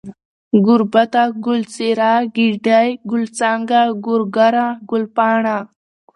گوربته ، گل څېره ، گېډۍ ، گل څانگه ، گورگره ، گلپاڼه